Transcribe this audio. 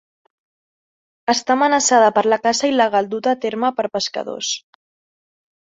Està amenaçada per la caça il·legal duta a terme per pescadors.